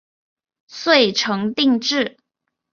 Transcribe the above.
遂成定制。